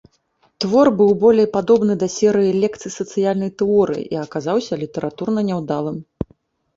Твор быў болей падобны да серыі лекцый сацыяльнай тэорыі і аказаўся літаратурна няўдалым.